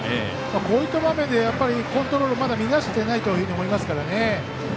こういった場面でコントロールをまだ乱していないと思いますから。